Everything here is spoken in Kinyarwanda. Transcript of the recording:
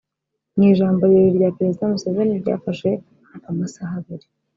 Mu ijambo rirerire rya Perezida Museveni ryafashe hafi amasaha abiri